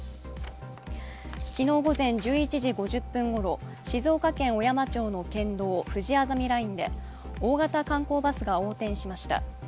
昨日午前１１時５０分ごろ、静岡県小山町の県道ふじあざみラインで大型観光バスが横転しました。